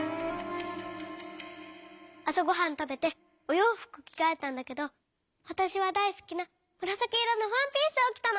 あさごはんたべておようふくきがえたんだけどわたしはだいすきなむらさきいろのワンピースをきたの。